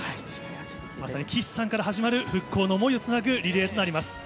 まさに岸さんから始まる復興の想いをつなぐリレーとなります。